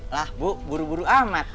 lah bu buru buru amat